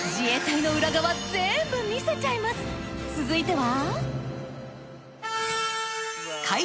続いては。